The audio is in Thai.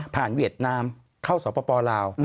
ผ่านเวียดนามเข้าสวพปลาว